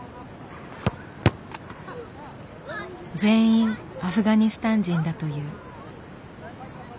全員アフガニスタン人だという。